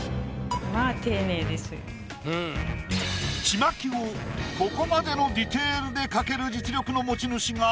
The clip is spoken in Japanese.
ちまきをここまでのディテールで描ける実力の持ち主が。